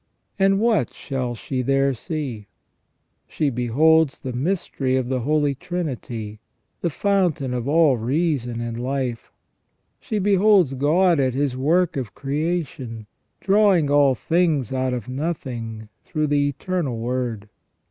And what shall she there see ? She beholds the mystery of the Holy Trinity, the fountain of all reason and life. She beholds God at His work of creation, drawing all things out of nothing through the Eternal Word.